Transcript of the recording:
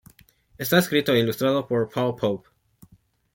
Está escrito e ilustrado por Paul Pope.